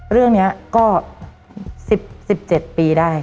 เรื่องนี้ก็๑๗ปีได้